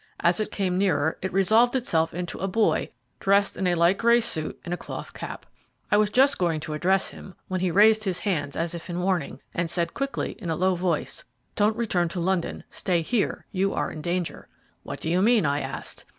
As it came nearer it resolved itself into a boy, dressed in a light grey suit and a cloth cap. I was just going to address him when he raised his hand as if in warning, and said quickly, in a low voice: 'Don't return to London stay here you are in danger.' 'What do you mean?' I asked.